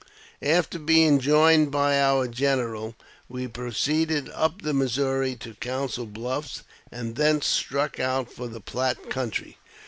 After being joined by our general, we proceeded up the Missouri to Council Bluffs, and thence struck out for the Platte country.